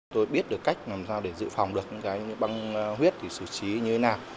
tôi biết được cách làm sao để giữ phòng được những băng huyết thì xử trí như thế nào